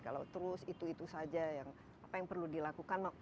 kalau terus itu itu saja yang apa yang perlu dilakukan